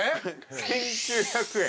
◆１９００円。